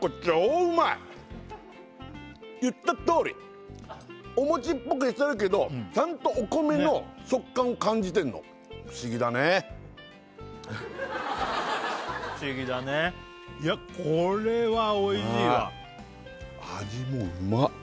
言ったとおりお餅っぽくしてるけどちゃんとお米の食感感じてんの不思議だね不思議だねいやこれはおいしいわ味もうまっ！